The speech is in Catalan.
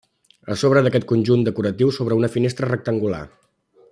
A sobre d'aquest conjunt decoratiu s'obre una finestra rectangular.